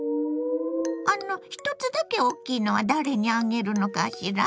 あの１つだけ大きいのは誰にあげるのかしら？